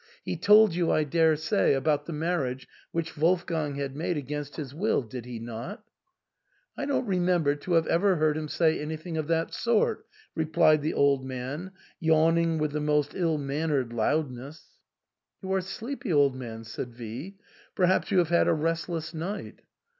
He told you, I dare say, about the marriage which Wolfgang had made against his will, did he not ?" "I don't remember to have ever heard him say an)rthing of that sort," replied the old man, yawning with the most ill mannered loudness. " You are sleepy, old man," said V ;" perhaps you have had a restless night